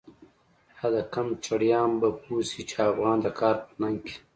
دا د قم چړیان به پوه شی، چی افغان د کار په ننگ کی